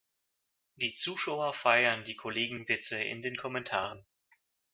Die Zuschauer feiern die Kollegenwitze in den Kommentaren.